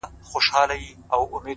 پرون دي بيا راته غمونه راكړل!!